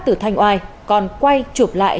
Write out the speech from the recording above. từ thanh oai còn quay chụp lại